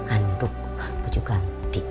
aduh gue juga nanti